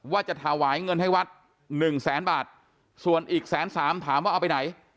ว่าจะถวายเงินให้วัดหนึ่งแสนบาทส่วนอีกแสนสามถามว่าเอาไปไหน